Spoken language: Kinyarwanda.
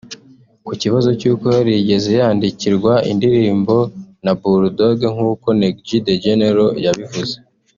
Ku kibazo cy’uko yaba yarigeze yandikirwa indirimbo na Bulldogg nkuko Neg G the General yabivuze